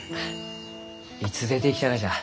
いつ出てきたがじゃ？